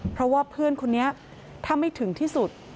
เพราะว่าเพื่อนคนนี้ถ้าไม่ถึงที่สุด